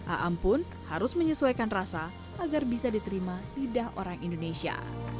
aam pun harus menyesuaikan rasa agar bisa diterima lidah orang indonesia